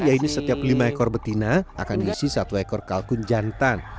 yaitu setiap lima ekor betina akan diisi satu ekor kalkun jantan